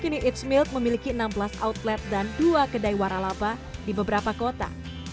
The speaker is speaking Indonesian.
kini it's milk memiliki enam belas outlet dan dua kedai waralaba di beberapa kota